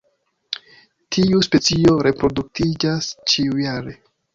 Tiu specio reproduktiĝas ĉiujare.